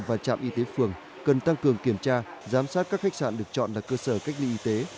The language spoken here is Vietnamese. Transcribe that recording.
và trạm y tế phường cần tăng cường kiểm tra giám sát các khách sạn được chọn là cơ sở cách ly y tế